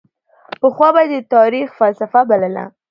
پخوا به یې د تاریخ فلسفه بلله.